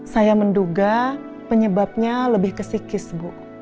saya menduga penyebabnya lebih ke psikis bu